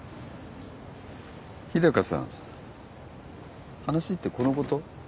日高さん話ってこのこと？